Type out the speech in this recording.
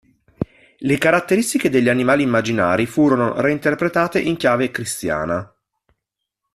Le caratteristiche degli animali immaginari furono reinterpretate in chiave cristiana.